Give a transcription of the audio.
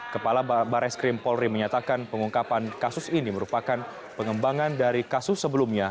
kepala baris krim polri menyatakan pengungkapan kasus ini merupakan pengembangan dari kasus sebelumnya